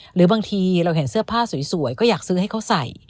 หรือบางทีเราเห็นเสื้อผ้าสวยก็อยากซื้อให้เขาใส่